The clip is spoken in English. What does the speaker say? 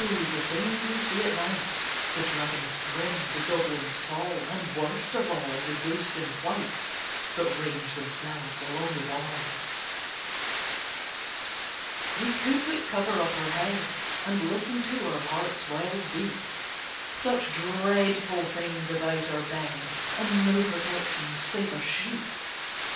the things we see at night The dragons grim, the goblins tall, And, worst of all, the ghosts in white That range themselves along the wall! We could but cover up our head, And listen to our heart's wild beat Such dreadful things about our bed, And no protection save a sheet!